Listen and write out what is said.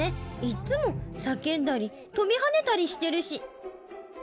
いっつもさけんだりとびはねたりしてるし。